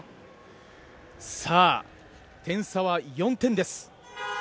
さあ、点差は４点です。